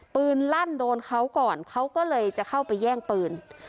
ลั่นโดนเขาก่อนเขาก็เลยจะเข้าไปแย่งปืน